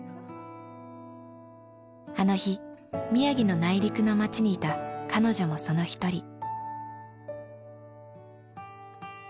あの日宮城の内陸の町にいた彼女もその一人。